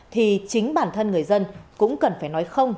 thì chính bản thân người dân cũng cần phải nói không